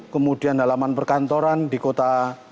kemudian halaman perkantoran di kota